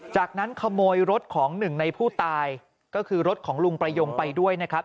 จากนั้นขโมยรถของหนึ่งในผู้ตายก็คือรถของลุงประยงไปด้วยนะครับ